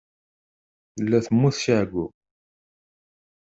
Tella temmut si εeyyu.